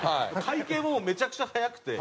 会計もめちゃくちゃ早くて。